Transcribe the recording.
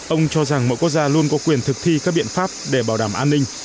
ông cho rằng mọi quốc gia luôn có quyền thực thi các biện pháp để bảo đảm an ninh